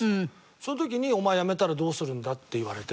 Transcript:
その時に「お前やめたらどうするんだ？」って言われて。